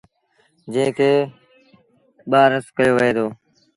جݩهݩ کي ٻآرس ڪهيو وهي دو